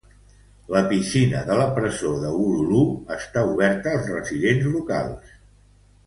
La piscina de la presó de Wooroloo està oberta als residents locals.